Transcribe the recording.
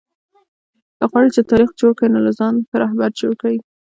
که غواړى، چي تاریخ جوړ کئ؛ نو له ځانه ښه راهبر جوړ کئ!